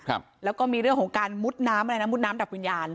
ครับแล้วก็มีเรื่องของการมุดน้ำอะไรนะมุดน้ำดับวิญญาณ